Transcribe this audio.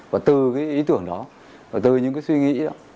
và từ ý tưởng đó từ những suy nghĩ đó